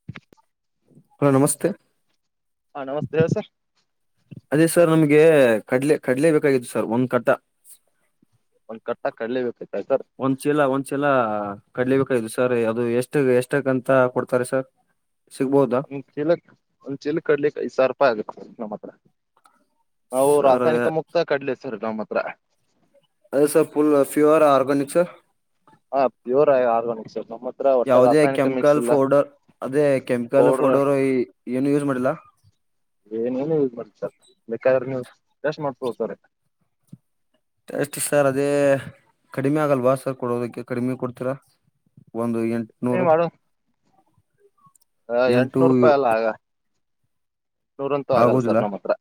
ಹ ಹಲೋ ನಮಸ್ತೆ ಹಾ ನಮಸ್ತೆ ಹೇಳಿ ಸರ್ ಅದೇ ಸರ್ ನಮ್ಗೆ ಕಡ್ಲೆ ಕಡಲೆ ಬೇಕಾಗಿತ್ತು ಸರ್ ಒಂದ್ ಕಟ ಒಂದ್ ಕಟ್ಟಾ ಕಡೇಲೇ ಬೇಕೈತತರ್ ಒಂದ್ ಚೀಲ ಒಂದ್ ಚೀಲ ಕಡ್ಲಿಬೇಕಾಯದು ಸರ್ ಅದು ಎಷ್ಟ ಎಷ್ಟಕಂತ ಕೊಡ್ತಾರೆ ಸರ್ ಸಿಗ್ಬಹುದು ಒ್ ಚೀಲ ಒಂದು ಚಲಕ್ ಕಡ್ಲಿಕ್ಕೆ ಐದು ಸಾವಿರ ರೂಪಾಯ ಆಗುತ್ತ ನಮ್ಮ್ ಹತ್ರ ನಾವು ಸರ್ ರಾಸಾಯನಿಕ ಅದೇ ಮುಕ್ತ ಕಡ್ಲೆ ಸರ್ ನಮ್ಮ ಹತ್ರ ಅದೇ sir full pure organic sir ಹಾ ಪ್ಯೂರ್ ಆ ಆರ್ಗಾನಿಕ್ಸ್ಲ್ ನಮ್ಮ ಹತ್ರ ಹೊಟ್ಟೆ ಯಾವುದೇ ರಾಸಾಯನಿಕ ಮಿಕ್ಸ್ ಕೆಮಿಕಲ್ ಇಲ್ಲಾ ಪೌಡರ್ ಅದೇ ಕೆಮಿಕಲ್ ಫೋಡೋರ್ ಏನು ಯೂಸ್ ಮಾಡಿಲ್ಲಾ ಏನೇಏನು ಇಲ್ಲ ಮಾಡ್ ಬೇಕಾದ್ರೆ ನೀವು ಯಷ್ಟ ಮಾಡ್ತಕೋಡ್ತಾರೆ ಟಸ್ ಸರ್ ಅದೇ ಕಡಿಮೆ ಆಗಲ್ವಾ ಸರ್ ಕೊಡೋದಕ್ಕೆ ಕಡಿಮೆ ಕೊಡ್ತೀರಾ ಒಂದು ಎಂಟುನೂರು ಹ ಎಂಟು ಎಂಟುನೂರು ರೂಪಾಯಿ ಅಲ್ಲ ಆಗ ನೂರಂತೂ ಆಗಲ್ಲ ಆಗೋದಿಲ್ಲ ಸರ್ ನಮ್ಮ್ ಹತ್ರ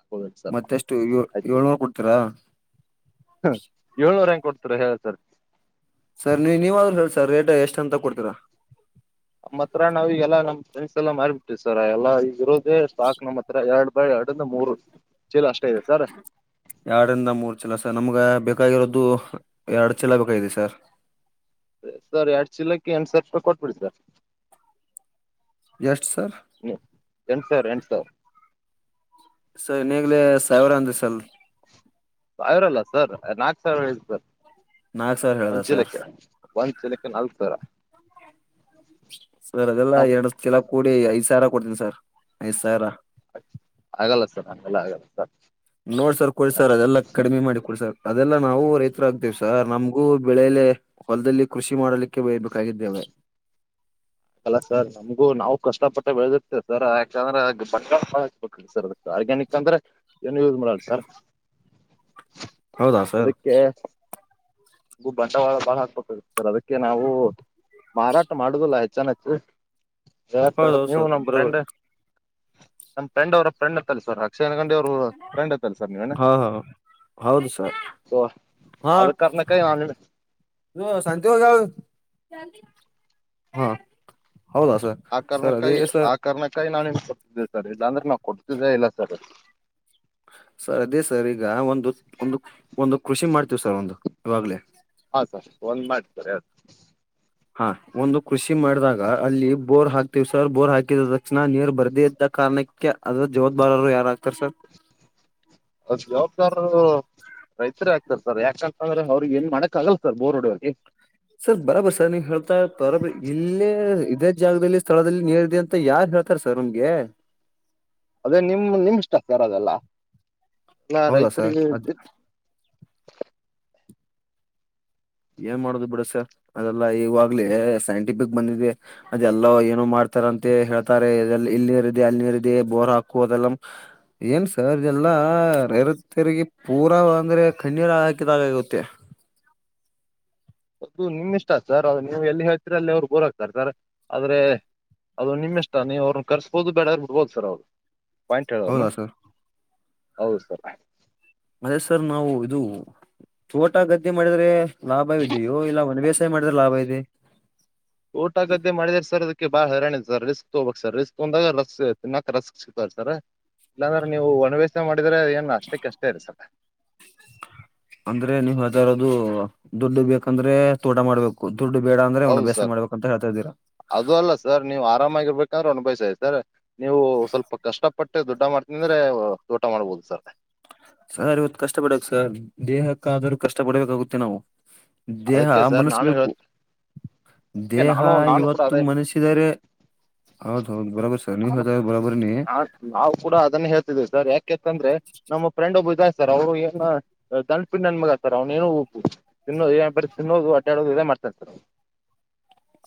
ಆಬೇಕು ಸರ್ ನಾ್ ಆಯ್ತು ಅತ್ರರ ಏಳು ನೂರು ಹೆಂಗ್ ಕೊಡ್ತಾರೆ ಹೇಳಿ ಸಾರ್ ಸರ್ ನೀವು ನೀವ್ರೂ ಹೇಳ್ ಸರ್ ರೇಟ್ ಎಷ್ಟು ಅಂತ ಕೊಡ್ತೀರಾ ನಮ್ಮ ಹತ್ರ ನಾವ ಈಗಲ್ಲ ನಮ್ಮ್ ಫ್ರೆಂಡ್ಸ್ಲ್ಲ ಮಾರಿ ಬಿಟ್ಟೀವಿ ಸರ್ ಎಲ್ಲ ಈಗ ಇರೋದೇ ಸಾಾಕ್ ನಮ್ಮ್ ಹತ್ರ ಎರಡು ಬಳೆ ಅಡಂದ ಮೂರು ಚೀಲ ಅಷ್ಟೇ ಇದೆ ಸರ ಎರಡರಿಂದ ಮೂರು ಚೀಲ ಸರ್ ನಮ್ಗ ಬೇಕಾಗಿರೋದು ಎರಡು ಚೀಲ ಬೇಕಾಗಿದೆ ಸರ್ ಸರ್ ಎರಡು ಚೀಲಕ್ಕೆ ಎಂಟು ಸಾವಿರ ರೂಪಾಯಿ ಕೊಟ್ಬಿಡಿ ಸರ್ ಎಷ್ಟು ಸರ್ ಹೂ ಎಂಟು ಸಾವಿ ಎಂಟು ಸಾವಿರ್ ಸರ್ ಇನ್ನೇಾಗಲೇ ಸಾವಿರ ಅಂದ ಸರ್ ಅವರಲ್ಲ ಸರ್ ನಾಕ್ು ಸಾವಿರ ಹೇಳ ಸರ್ ನಾಕ್ ಸಾವಿರ ಹೇಳ್ದ ಒಂದ್ ಸರ್ ಚೀಲಕ್ಕೆ ಒಂದ್ ಚೀಲಕ್ಕೆ ನಾಲ್ಕ್ ಸಾವಿರ ಸರ್ ಅದೆಲ್ಲ ನಾವು ಎರಡು ಕೆಲ ಕೂಡಿ ಐದ್ ಸಾವಿರ ಕೊಡ್ತೀನಿ ಸರ್ ಐದ್ ಸಾವಿರ ಆಗಲ್ಲ ಸರ್ ನಮಗೆಲ್ಲ ಆಗಲ್ಲ ಸರ್ ನೋಡ್ಸರ್ ಕೊಡ್ಸರ್ ಅದೆಲ್ಲ ಕಡಿಮೆ ಮಾಡಿ ಕೊಡ್ಸರ್ ಅದೆಲ್ಲಾ ನಾವು ರೈತ ಆಕ್ತೇವಿ ಸರ್ ನಮ್ಗೂ ಬೆಳೆಲೆ ಹೊಲದಲ್ಲಿ ಕೃಷಿ ಮಾಡಲಿಕ್ಕೆ ಬಯಬೇಕಾಗಿದ್ದೇವೆ ಅಲ್ಲ ಸರ್ ನಮ್ಗೂ ನಾವು ಕಷ್ಟ ಪಟ್ಟ ಬೆಳೆದಿರ್ತೇವೆ ಸರ್ ಯಾಕಂದ್ರೆ ಬಬೇಕ ಸರ್ ಅದಕ್ಕೆ ಆರ್ಗ್ಯಾನಿಕ್ ಅಂದ್ರೆ ಏನು ಯೂಸ್ ಮಾಡ ಸರ್ ಹೌದಾ ಸರ್ ಬಂಟವಾದ ಬಾಳ ಹಾಕ್ಬೇಕ ಸರ್ ಅದಕ್ಕೆ ನಾವು ಮಾರಾಟ ಮಾಡುದಲ್ಲಾ ಹೆಚ್ಚನ್ಚ್ಚ ಯಾ್ರ ಹೌದೌದು ನೀವು ಸರ್ ನಮ್ ಬರೋಬರ್ ಫ್ರೆಂಡ್ ನಮ್ ಫ್ರೆಂಡ್ ಅವರ ಫ್ರೆಂಡ್ ತಲ್ಸರ್ ಶಕ್ಷನಕಂಡಿ ಅವರು ರೆಂಡ್ತ್ತಲ್ಲ ಸರ್ ನೀವೇ ಹಾ ಹಾ ಹೌದು ಸರ್ ಹಾ ಅದ ಕಾರಣಕ್ಕೆ ನಾನ್ ನಿಮ್ ಹೇ ಸಂಜೆಗಲ್ ಹೂ ಹೌದ ಸರ್ ಆ ಸರ್ ಅದೇ ಕಾರಣಕ್ಕಾಗಿ ಸರ್ ಆ ಕಾರಣಕ್ಕಾಗಿ ನಾಿನ್ ಕೊಡ್ತಿದ್ದೆ ಸರ್ ಇಲ್ಲಾಂದ್ರೆ ನಾನ್ ಕೊಡ್ತಿದ್ದೇ ಇಲ್ಲ ಸರ್ ಅದು ಸರ್ ಅದೇ ಸರ್ ಈಗ ಒಂದು ಒಂದು ಒಂದು ಕೃಷಿ ಮಾಡ್ತೀವ ಸರ್ ಒಂದು ಇವಾಗ್ಲೇ ಹಾ ಸರ್ ಒಂದ್ ಮಾಡ್ತಾರೆ ಅ ಹಾ ಒಂದು ಕೃಷಿ ಮಾಡಿದಾಗ ಅಲ್ಲಿ ಬೋರ್ ಹಾಕ್ತೀವಿ ಸರ್ ಬೋರ್ ಹಾಕಿದ ತಕ್ಷಣ ನೀರ್ ಬರ್ದೇ ಇದ್ದ ಕಾರಣಕ್ಕೆ ಅದ್ರ ಜವಾಬಾರರು ಯಾರಾಗಗ್ತಾರ ಸರ್ ಅದ ಜವಾಬ್ದಾರ ರೈತರೇ ಆಗ್ತಾರೆ ಸರ್ ಯಾಕಂತಂದ್ರೆ ಅವ್ರಿಗೆ ಏನ್ ಮಾಡಾಕ್ ಆಗಲ್ಲ ಸರ್ ಬೋರ್ ರಡಲ್ಲಿ ಸರ್ ಬರಾಬರ್ ಸರ್ ನೀ ಹೇಳ್ತಾ ಬರಬ ಇಲ್ಲೇ ಇದೇ ಜಾಗದಲ್ಲಿ ಸ್ಥಳದಲ್ಲಿ ನೀರ್ ಇದೆ ಅಂತ ಯಾರ್ ಹಳ್ತ ತ್ತರ್ ಸರ್ ನಿಮ್ಗೆ ಅದೇ ನಿಮ ನಿಮ ಇಷ್ಟ ಸರ್ ಅದೆಲ್ಲ ಎಲ್ಲ ಹೌದಾ ಸರ್ ರೈತರಿಗೆ ಅದ ಏನ್ ಮಾಡೋದು ಬಿಡಸ ಅದೆಲ್ಲಾ ಈವಾಗ್ಲೇ ಸೈಂಟಿಫಿಕ್ ಬಂದಿದವಿ ಅದೆಲ್ಲ ಏನು ಮಾಡ್ತಾರ ಅಂತೆ ಹೇಳ್ತಾರೆ ಇಲ್ಲಿ ನೀರ ಇಿದೆ ಅಲ್ಲಿ ನೀರ ಇಿದೆ ಬೋರ್ ಹಾಕು ಅದೆಲ್ಲ ಏನು ಸರ್ದೆಲ್ಲ ರರ ತಿರುಗಿ ಪೂರ ಅಂದರೆ ಕಣ್ಣೀರು ಹಾಕಿದಾಗಗುತ್ತೆ ಅದು ನಿಮ್ ಇಷ್ಟ ಸರ್ ಅ ನೀವು ಎಲ್ಲಿ ಹೇಳ್ತರ ಅಲ್ಲಿ ಅವ್ರು ಗೋರಾಗ್ತಾರೆ ಸರ್ ಆದ್ರೆ ಅದು ನಿಮ್ಮ್ ಇಷ್ಟ ನೀ ಅವ್ರನ್ನ ಕರ್ಬೋದು ಬೇಡರ್ ಬಿಡ್ಬೋದು ಸರ್ ಅವರು ಪಾಯಿಂಟ ಹೇಳೋರ್ನ ಹೌದಾ ಸರ್ ಹೌದು ಸರ್ ಮದೇ ಸರ್ ನಾವು ಇದು ತೋಟ ಗದ್ದೆ ಮಾಡಿದ್ರೆ ಲಾಭ ಇ್ಯ ಇಲ್ಲ ಒಂದ ಬೇಸಾಯ ಮಾಡಿದ್ರೆ ಲಾಭ ಇದೆ ಊಟ ಗದ್ದೆ ಮಾಡಿದ್ರ ಸರ್ ಅದಕ್ಕೆ ಬಾಳ ಹರರಣಾಣ ಸರ್ ರಿಸ್ಕ್ ತಗ್ಬೇಕ ಸ ರಿಸ್ಕ್ ತಂದಾಗ ರಸ್ ತಿನ್ನಾಕ್ ರಸ್ಕ್ ಸಿಗ್ತವ ಸರ ಇಲ್ಲಾಂದ್ರೆ ನೀವು ಒಣ ವ್ಯಸ್ಸೆ ಮಾಡಿದ್ರೆ ಏನ್ ಅಷ್ಟಕ್ಕೆಷ್ಟೇ ಇರಿ ಸರ್ ಅಂದ್ರೆ ನೀವು ಯಾವ್ದಾರದು ದುಡ್ಡು ಬೇಕಂದ್ರೆ ತೋಟ ಮಾಡ್ಬೇಕು ದುಡ್ಡು ಬೇಡ ಅ್ರ ಅವ್ನ ಹೌದು ಬೇಸ ಸರ್ ಮಾಡ್ಬೇಕ ಅಂತೇತಾ ಇದ್ದೀ ಅದು ಅಲ್ಲ ಸರ್ ನೀವು ಆರಾಮಾಗಿರ್ಬೇಕಂದ್ರೆ ಒಂದು ಪಯಸ ಐತಿ ಸರ್ ನೀವು ಸ್ವಲ್ಪ ಕಷ್ಟ ಬಟ್ಟ ದುಡ್ಡ ಮಾಡ್ತಿಂದ್ರೆ ಊಟ ಮಾಡ್ಬಹದು ಸರ್ ಸರ್ ಇವತ್ತು ಕಷ್ಟ ಪಡಕ್ ಸರ್ ದೇಹಕ್ಕ ಆದರೂ ಕಷ್ಟ ಪಡ್ಬೇಕಾಗುತ್ತೆ ನಾವು ದೇಹ ಅದಕ್ಕೆ ಸರ್ ನಾನು ಮನಸ್ಬೇಕು ಹೇಳ್ ಅದಕ್ಕೆ ದೇಹ ನಾನು ನಾನು ಕೂಡ ಇವತ್ತು ಅದೇ ಮನಸಿದರೆ ಹೌದುೌದು ಬರಬರ್ ಸ ನೀವು ನಾನು ಹದ ಬರಬರ ನೀ ನಾನು ನಾವು ಕೂಡ ಅದನ್ನ ಹೇಳ್ತಿದೀವಿ ಸರ್ ಯಾಕೆಂತಂದ್ರೆ ನಮ್ಮ ಫ್ರೆಂಡ್ ಒಬ್ಬ ಇದಾಯ ಸರ್ ಅವ್ರು ಏನ ದಂಡಪಿಂಡ ನನ್ ಮಗ ಆತಾರ ಅವ್ನೇನೋ ಉಪ್ಪು ತಿನ್ನ ಬರಿ ತಿನ್ನೋದು ಅಟ ಆಡೋದು ಇದೇ ಮಾಡ್ತಾಂತತಾರೆ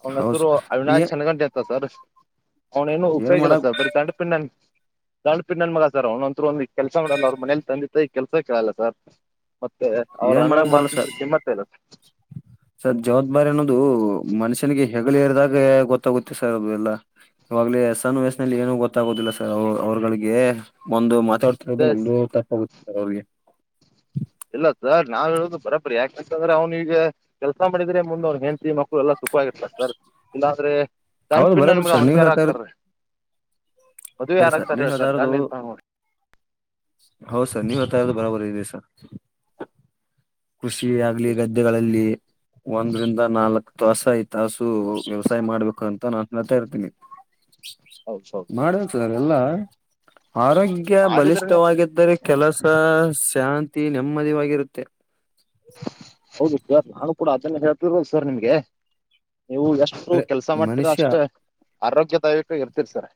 ಅವನ ಹೌದ್ ಹತ್ರರು ಏ ಅವಿನಶ್ ಚೆನ್ನ ಗಂಟೆತ್ತ ಸರ್ ಅವ್ನೇಏನು ಏನ್ ಉಯೋಗ ಇಲ್ಲ ಮಾಡಕ್ ಸರ್ ಬರೀ ದಂಡ ಪಿಂಡ್ ದಂಡ ಪಿಂಡ್ನ್ ಮಗ ಸರ್ ಅವ್ನ ಒಂತ್ರರು ಒಂದಿ ಕೆಲ್ಸ ಮಾಡಲ್ಲ ಅವ್ರ ಮನೇಲಿ ತಂದತ್ತ ಈ ಕೆಲ್ಸಕ್ಕೆಲ್ಲ ಸರ್ ಮತ್ತೆ ಅವ್ರ ಏನ್ ಮಾಡಕ್ ಅಣನ್ ಬರಲ್ಲ ಮಾತಂತ್ ಸರ್ ಗಮ್ಮತ್ತ ಇಲ್ಲ ಸರ್ ಜವಾಬ್ದಾರಿ ಅನ್ನೋದು ಮನುಷ್ಯನಿಗೆ ಹೆಗಗಳ ಹರಿದಾಗ ಗೊತ್ತಾಗುತ್ತೆ ಸರ್ ಅದು ಎಲ್ಲ ಇವಾಗ್ಲಿ ಸನ್ ವಯಸ್ ನಲ್ಲಿ ಏನು ಗೊತ್ತಾಗೋದಿಲ್ಲ ಸರ್ ಅವ್ರಗಳಿಗೆ ಒಂದು ಮಾತಾ ಹೌದು ಅದೇ ನಮ್ದು ತಪ್ಪೋಗುತ್ತ ಅವ್ರಿಗೆ ಇಲ್ಲ ಸರ್ ನಾವ್ ಹೇಳುದು ಬರೋಬರಿ ಯಾಕೆಂತಂದ್ರೆ ಅವ್ನ ಈಗ ಕೆಲಸ ಮಾಡಿದ್ರೆ ಮುಂದೆ ಅವ್ನಿಗೆ ಹೆ ಮಕ್ಕಳು ಎಲ್ಲಾ ಸುಖವಾಗಿರ್ತಾರೆ ಸರ್ ಇಲ್ಲಾ್ರೆ ಹೌದು ದಂಡಪಿಂಡ್ಣ ಬರೋಬರಿ ನಮಗ ಸರ್ ನೀವ್ ಅವಣಿಗಾರ ಹೇಳ್ತಾ ಆಗ್ತಾರ ಇರೋದು ಮದುವೆ ಸರಿ ಸರ್ ಯಾರಾಗಗ್ತಾರೆ ನೀವ್ ಹೇಳ್ತಾರೆ ದಾಂಡ ಎಂತ ತ ನೋ ಹೌದು ಸರ್ ನೀವ ಹತ್ತರ್ದ ಬರಾಬರಿ ಇದೆ ಸರ್ ಕೃಷಿ ಆಗ್ಲಿ ಗದ್ದೆಗಳಲ್ಲಿ ಒಂದ್ರಂದ ನಾಲ್ಕ್ ತಾಸ ಐದು ತಾಸು ವ್ಯವಸಾಯ ಮಾಡ್ಬೇಕು ಅಂತ ನಾನು ಹೇಳ್ತಾ ಇರ್ತೀನಿ ಹೌದ ಹ [unintelligible] ಹೌದು ಮಾಡ ಸರ್ ಎಲ್ಲ ಆರೋಗ್ಯ ಮಾಡಿದ್ರನೆ ಬಲಿಷ್ಠವಾಗಿದ್ದರೆ ಕೆಲಸ ಶಾಂತಿ ನೆಮ್ಮದಿವರುತ್ತೆ [inaudible] ಹೌದು ಸರ್ ನಾನು ಕೂಡ ಅದನ್ನ ಹೇಳ್ತಿರದು ಸರ್ ನಿಮ್ಗೆ ನೀವು ಎಷ್ಟು ಅವರು ಅರೆ ಕೆಲಸ ಮಾಡ್ತಿರ ಮನುಷ್ಯ ಅಷ್ಟೇ ಆರೋಗ್ಯದಾಯಕ ಇರ್ತಿರಿ ಸರ್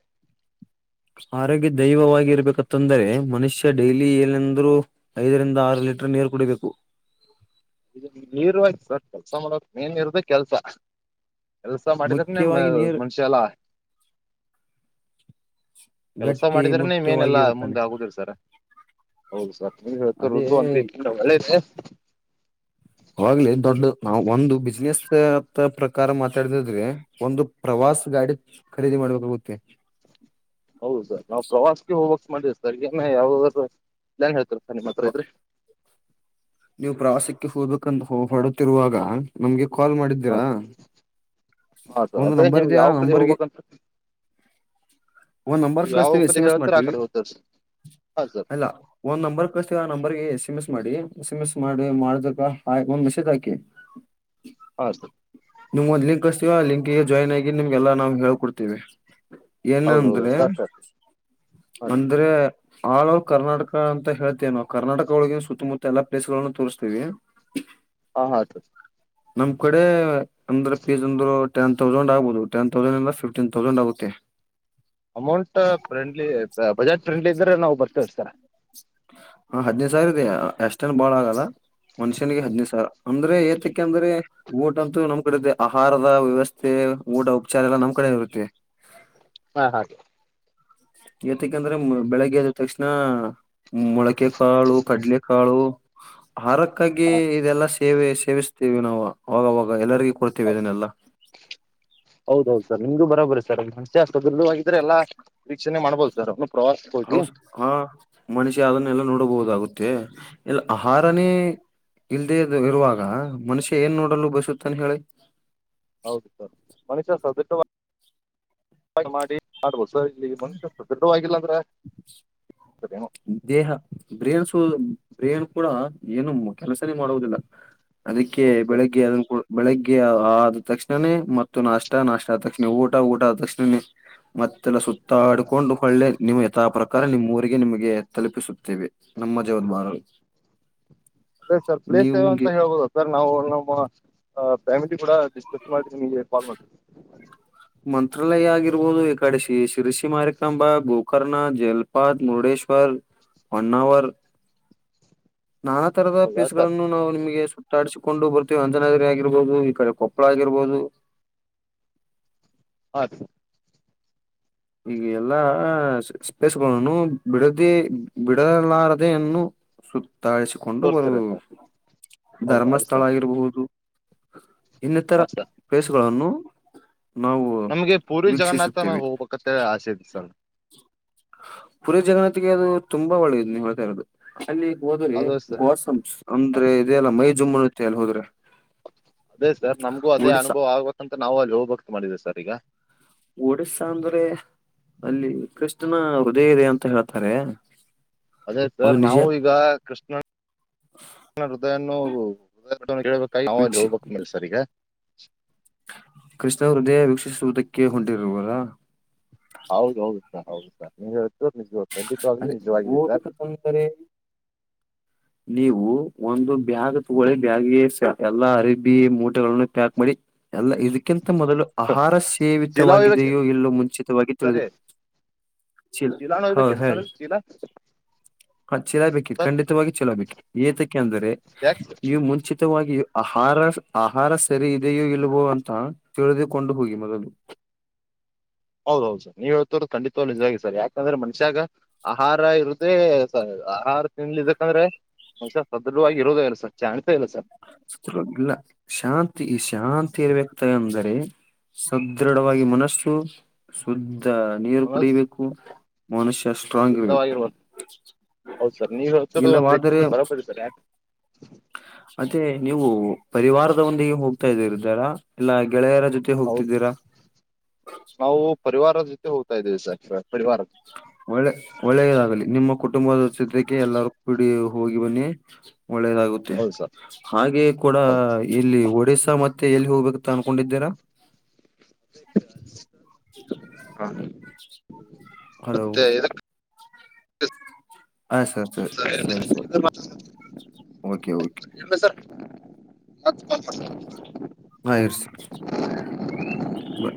ಆರೋಗ್ಯ ದೈವವಾಗಿ ಇರ್ಬೇಕತ್ತಂದ್ರೆ ಮನುಷ್ಯ ಡೈಲಿ ಏನಂದ್ರು ಐದರಿಂದ ಆರು ಲೀಟರ್ ನೀರು ಕುಡಿಬೇಕು ನೀರ್ವಾಗಿ ಕೆಲ್ಸ ಮಾಡಕ್ ಮೇನ್ ಇರುದ ಕೆಲ್ಸ ಎಲಸ ಮಾಡಿದ್ರೆನಿ ಮೇ ಮುಖ್ಯವಾಗಿ ನೀರ್ ಮನುಷ್ಯ ಎಲ್ಲಾ ಕೆಲ್ಸ ಗಟ್ಟಿ ಮಾಡಿದ್ರನೆೇ ಮೇನೆಲ್ಲಾ ಮುಂದೆ ಮುಟ್ಟುವಾಗಿರುತ್ತಾನೆ ಆಗುದ್ರ ಸರ ಹೌದು ಸರ್ ಅದೇ ನೀವ್ಹೇಳ್ತಿರೋದು ಒಂದ ರೀತಿಂದ ಒಳ್ಳೇದೆ ಅವಾಗ್ಲೇ ದೊಡ್ಡ ನಾವು ಒಂದು ಬಿಸ್ಿನೆಸ್ ಪ್ರಕಾರ ಮಾತಾಡಿದಿದ್ರೆ ಒಂದು ಪ್ರವಾಸ ಗಾಡಿ ಖರೀದಿ ಮಾಡ್ಬೇಕಾಗುತ್ತೆ ಹೌದು ಸರ್ ನಾವು ಪ್ರವಾಸಕ್ಕೆ ಹೋಗ್ವಕ್ ಮಾಡ್ೀವಿ ಸರ್ ಏ ಯಾವಾದ್ರುಾನ್ ಹೇಳ್ತಾರೆ ಸರ್ ನಿಮ್ಮ ಹತ್ರ ಇದ್ರೆ ನೀವು ಪ್ರವಾಸಕ್ಕೆ ಹೋಗ್ಬೇಕಂತ ಹೊ ಹೊಡುತ್ತಿರುವಾಗ ನಮ್ಗೆ ಕಾಲ್ ಹ ಮಾಡಿದ್ದೀರಾ ಹಾ ಸರ್ ಒಂದು ಅದೇ ನೀವು ನಂಬರ್ಇದಯಾ ಯಾವ ಕಡೆ ನಂಬರ್ಗೆ ಹೋಗ್ಬೇಕಂತ ಒಂದ್ ನಂಬರ್ ನೀವು ಯಾವ ಕಳಸ್ತೀವಿ ಎಸ್ ಕಡೆ ಎಮಂ ಎಸ್ ಹೇಳ್ತೀರ ಆ ಮಾಡ್ತೀವಿ ಕಡೆ ಹೋಗ್ತಾರೆ ಸರ್ ಹಾ ಸರ್ ಅ ಒಂದ್ ನಂಬರ್ ಕಸ್ತವಿ ಆ ನಂಬರ್ಗೆ ಎಸ್ ಎಮ್ ಎಸ್ ಮಾಡಿ ಎಸ್ ಎಂ ಎಸ್ ಮಾಡಿ ಮಾಡಿದ್ರ ಐ ಒಂಧ್ ಮೆಸೇಜ್ ಹಾಕಿ [inaudible] ಹಾ ಸ ನಿಮ್ ಒಂದ್ ಲಿಂಕ್ ಕಸ್ತೀವ ಆ ಲಿಂಕ್ಗೆ ಜಾಯ್ನ್ ಆಗಿ ನಿಮ್ಗೆಲ್ಲಾ ನಾವು ಹೇಕೊಡ್ತೇವಿ ಹೌದು ಹೌದು ಏನಂದ್ರೆ ಹಾ ಸರ್ ಹಾ ಅಂದ್ರೆ ಆಲ್ ಓವರ್ ಕರ್ನಾಟಕ ಅಂತ ಹೇಳ್ತೇವಿ ನಾವು ಕರ್ನಾಟಕ ಒಳಗ ಸುತ್ತಮುತ್ತ ಎಲ್ಲ ಪ್ಲೇಸ್ ಗಳೂ ತೋರಿಸ್ತೀವಿ [inaudible] ಹ ಹೌದು ನಮ್ ಕಡೆ ಅಂದ್ರೆ [unintelligible] ಅಂದ್ರು ಟೆನ್ ತೌಸಂಡ್ ಆಬಹುದು ಟನ್ ತೌಸಂಡ್ ಎಲ್ಲ ಫಿಫ್ಟನ ತೌಸಂಡ್ ಆಗುತ್ತೆ ಅಮೌಂಟ್ ಫ್ರೆಂಡ್ಲಿ ಬಜೆಟ್ ಫ್ರೆಂಡ್ಲಿ ಇದ್ರೆ ನಾವು ಬರ್ತೇವಿ ಸರ ಹ ಹದ್ನೈದು ಸಾವಿರ ಇದೆ ಎಷ್ಟನ್ ಬಾಳ ಆಗಲ್ಲ ಮನುಷ್ಯನಿಗೆ ಹದಿನದು ಸಾವಿರ ಅಂದ್ರೆ ಏತಕ್ಕೆ ಅಂದ್ರೆ ಊಟಂತೂ ನಮ್ ಕಡೆ ಆಹಾರದ ವ್ಯವಸ್ಥೆ ಊಟ ಉಪಚಾರ ಎಲ್ಲ ನಮ್ ಕಡೆ ಇರುತ್ತೆ ಹಾ ಹಾಗೆ ಯತಕಂದ್ರ ಬೆಳಗ್ಗೆಯದ್ದ ತಕ್ಷಣ ಮೊಳಕೆ ಕಾಳು ಕಡ್ಲೆಕಾಳು ಹಾರಕ್ಕಾಗಿ ಇದೆಲ್ಲ ಸಿ ಸೇವೆ ಸೇವಿಸ್ತೇವೆ ನಾವು ಆವವಾಗ ಎಲ್ಲರಿಗ ಕೊಡ್ತೇವಿ ಇದನ್ನೆಲ್ಲ ಹೌದೌದು ಸರ್ ನಿಮ್ದು ಬರಬರಿ ಸರ್ ಮಷೆ ಆಸ್ಪತ್ತ್ರೂ ಆದ್ರೆ ಎಲ್ಲಾರೀ ಮಾಡ್ಬಹದು ಸ ಹೌ ಸ ಹಾ ಮನುಷ್ಯ ಅದನ್ನೆಲ್ಲ ನೋಡಬಹುದಾಗುತ್ತೆ ಇಲ್ಲ ಆಹಾರನೇ ಇಲ್ದೇ ಇರುವಾಗ ಮನುಷ್ಯ ಏನ್ ನೋಡಲು ಬಸುತ್ತನ್ ಹೇಳಿ ಹೌದು ಸರ್ ಮನುಷ್ಯ ಸದೃ [unintelligible] ಮಾಡಿ ಮಾಡ್ಬೋದು ಸ ಇಲ್ಲಿ ಮುಂದ ದೃಡ್ಢವಾಗಿಲ್ಲ ಅಂದ್ರೆ [unintelligible] ಆಗ್ತದೇನೋ ದೇಹ ಬ್ರೇನ್ ಸ ಬ್ರೇನ್ ಕೂಡ ಏನು ಕೆಲಸನೇ ಮಾಡುವುದಿಲ್ಲ ಅದಕ್ಕೆ ಹೋಗಿ ಸರ್ ಬೆಳಿಗ್ಗೆ ಅದನ್ ಕೂ ಬೆಳಿಗ್ಗೆ ಆ ಆದ ತಕ್ಷಣೇ ಮತ್ತು ನಾಷ್ಟ ನಾಷ್ಟ ಆದ ತಕ್ಷಣ ಊಟ ಊಟ ಆದ ತಕ್ಷಣ ಮತ್ತೆಲ್ಲ ಸುತ್ತಾಡ್ಕೊಂಡು ಓಳ್ಳೇ ನೀವು ಯಥಾ ಪ್ರಕಾರ ನಿಮ್ಮ ಊರಿಗೆ ನಿಮಗೆ ತಲುಪಿಸುತ್ತೇವೆ ನಮ್ಮ ಜವದ ಬಾರ ಅದೇ ಸರ್ ಪ್ಲೇಸ್ವ ಅಂತ [unintelligible] ಸರ್ ನಾವು ನಮ್ಮ ಪಫ್ಯಾಮಿಟಿ ಕೂಡ ಡಿಸ್ಕಸ್ ಮಾಡಿದವಿ ನಿಮಗೆ ಕಾಲ್ ಮಾಡ್ತೀವಿ ಮಂತ್ರಾಲಯ ಆಗಿರ್ಬೋದು ಈ ಕಡೆ ಶರಸಿ ಮಾರಿಕಾಂಬ ಗೋಕರ್ಣ ಜಲ್ ಮುರುಡೆೇಶ್ವರ ಹೊ್ಣಾವ ನಾನಾ ತರದ ಹೌದಾ ಪ್ಲೀಸ್ ಸರ್ ಗಳನ್ನು ನಾವು ನಿಮ್ಗೆ ಡಿಸಿಕೊಂಡು ಬರ್ತೀವಿ ಅಂಜನಗರಿ ಆಗಿರ್ಬಹುದು ಈ ಕಡೆ ಕೊಪ್ಪಳ ಆಗಿರ್ಬಹದು ಹ ಈ ಎಲ್ಲಾ ಸ್ಪೇಸ್ಗಳನು ಬಿಡದೇ ಬಿಡಲಾರದೆೇನ್ನು ಸುತ್ತಾಾಯಿಸಿಕೊಂಡು ಬರು ತೋರಿಸ್ತೀರಾ ಸರ್ ಹೌದಾ ಅದೇ ಧರ್ಮಸ್ಥಳ ಸರ್ ಆಗಿರಬಹುದು ಇನ್ನಿತರ ಹಾಂ ಸರ್ ಪ್ಲೇಸ್ಗಳನ್ನು ನಮ್ಗೆ ಪೂರ್ವಿ ಜಗನ್ನಾಥನ ಹೋಗ್ಬೇಕಂತ ಆಸೆದೆ ಸರ್ ಪುರಿ ಜಗತಿಿಗೆ ಅದು ತುಂಬಾ ಒಳ್ಳೇದು ನೀ ಹತಾ ಇರೋದು ಅಲ್ಲಿ ಹೋದ್ರೆ ಅದು ಸರ್ ಗೋಸಂ ಹಾಂ ಅಂದ್ರೆ ಇದದೆ ಅಲ್ಲ ಮೈ ಜುಮ್ಮನ ಇತ್ತ ಅಲ್ಲಿ ಹೋದ್ರೆ ಅದೇ ಸರ್ ನಮ್ಗೂ ಅದೇ ಒಡಿಸ್ಸಾ ಅನುಭವ ಆಗ್ಬೇಕ ಅಂತ ನಾವು ಅಲ್ಲಿ ಹೋಗ್ಭಕ್ತ ಮಾಡಿದೆೇ ಸರ್ ಈಗ ಒಡ್ಸಾ ಅಂದ್ರೆ ಅಲ್ಲಿ ಕೃಶನ ಹೃದಯ ಇದೆ ಅಂತ ಹೇಳ್ತಾರೆ ಅದೇ ಅದು ಸರ್ ನಿಜ ನಾವು ಈಗ ಕೃಷ್ಣ ಹೃದಯೃದಬೇಕ ನ ವೀಕ್ಷಿ ಹೋಗಬೇಕ ಮೇಸರ್ ಈಗ ಕೃಷ್ಣವರು ದೇಹ ವೀಕ್ಷಿಸುವುದಕ್ಕೆ ಹೊಂಟಿವಾರಾ ಹೌದ ಹೌದು ಸರ್ ಹೌದು ಸರ್ ನೀವು್ ಹರ್ ನಿಜ ಖಂಡಿತವ್ಲಿೂ ನಿಜವಾಗಿದೆ ಸರ್ ಸ ನೀವು ಒಂದು ಬ್ಯಾಗ್ ತಗೊಳ್ಳಿ ಬ್ಯಾಗ್ಗೆ ಎಲ್ಲಾ ಅರಿಬಿ ಮೂಟೆಗಳನ್ನು ಪ್ಯಾಕ್ ಮಾಡಿ ಅಲ್ಲ ಇದಕ್ಕಿಂತ ಮೊದಲು ಆಹಾರ ಚೀಲ ಒಯ್ಬೇಕು ಸೇವಿತವಾಗಿದೆಯೋ ಇಲ್ಲೋ ಮುಂಚಿತವಾಗಿ ತಿಳಿದುು ಚೀಲಾ ನೋ್ಬೇಕ ಕೆಲ್ಸ ಚೀಲಾ ಹ ಚಲ ಬೇಕಿ ಖಂಡಿತವಾಗಿ ಚಲಾ ಬೇಕಿ ಏತಕ್ಕೆ ಅಂದ್ರೆ ಯಾಕೆ ನೀವು ಮುಂಚಿತವಾಗಿ ಆಹಾರ ಆಹಾರ ಸರಿ ಇದೆಯೋ ಇಲ್ವೋ ಅಂತ ಎಳದಿಯ ಕೊೊಂಡುಬೋಗಿ ಮೊದಲು ಹೌದ ಹೌದು ಸರ್ ನೀವ ಹೇಳ್ತ್ರ ಡಿತವಾಗಿ ನಿಜವಾಗ ಸರ್ ಯಕಂದ್ರೆ ಮನುಷ್ಯಾಗ ಆಹಾರ ಇರುದ್ರೆ ಆಹಾರ ತಿನ್ಲಿ ಇದಕಂದ್ರೆ ಮಂಷ ಸದೃರವಾಗಿ ಇರೋ ಇಲ್ಲ ಸರ್ ಜಾಣ್ತಾ ಇಲ್ಲ ಸರ್ ಸಲ್ಲ ಶಾಂತಿ ಈ ಶಾಂತಿ ಇರ್ಬೇಕ ಅಂದರೆ ಸದೃಢವಾಗಿ ಮನಸ್ಸು ಶುದ್ಧ ನೀರು ಮನಸ್ ಕುಡಿಬೇಕು ಮನುಷ್ಯ ಸ್ಟ್ರಾಂಗ್ ಇಬೇಕು ಹೌದ ಸರ್ ನೀವ ಹಸದು ಒಂದ್ ರೀತಿ ದ ಬರೋಬರಿ ಸರ್ ಯ ಮತ್ತೇ ನೀವು ಪರಿವಾರದ ಒಂದಿಗೆ ಹೋಗ್ತಾ ಇದೀರ್ದಾರಾ ಇಲ್ಲ ಗೆಳೆಯರ ಜೊತೆ ಹೌದು ಹೋಗ್ತಿದ್ದೀರಾ ನಾವು ಪರಿವಾರದ ಜೊತೆ ಹೋಗ್ತಾ ಇದ್ದೇವಿ ಸರ್ ಪರಿವಾರದ ಒಳ್ಳೆ ಒಳ್ಳೇದಾಗಲಿ ನಿಮ್ಮ ಕುಟುಂಬದ ಜೊತೆಗೆ ಎಲ್ಲಾರ ಕೂಡಿ ಹೋಗಿ ಬನ್ನಿ ಒಳ್ಳೇದಾಗುತ್ತೆ ಹೌದು ಸರ್ ಹಾಗೆ ಕೂಡ ಹೌದು ಇಲ್ಲಿ ಒಡ್ಸಾ ಮತ್ತೆ ಎಲ್ಲಿ ಹೋಗ್ಬೇಕ ಅನ್ಕೊಂಡಿದ್ದೀರಾ ಹಾ ಹಲೋ ಹ ಸರಿ ಸರಿ ಸರಿ ಸರಿ ಕೆ ಕೆ ಎಮ್ಮಸರ್ ಆ ಇರ್ ಬ